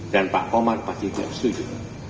dan pak komar pasti tidak setuju